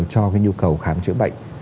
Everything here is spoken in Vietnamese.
cho cái nhu cầu khám chữa bệnh